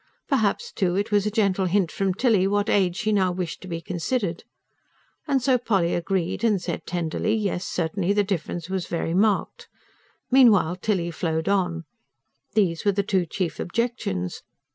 Perhaps, too, it was a gentle hint from Tilly what age she now wished to be considered. And so Polly agreed, and said tenderly: yes, certainly, the difference was very marked. Meanwhile Tilly flowed on. These were the two chief objections.